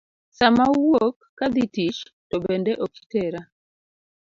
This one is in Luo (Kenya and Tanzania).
Sama awuok ka adhi tich to bende ok itera.